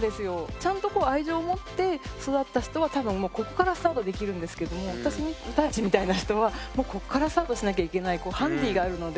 ちゃんとこう愛情を持って育った人は多分もうここからスタートできるんですけども私たちみたいな人はもうこっからスタートしなきゃいけないハンディがあるので。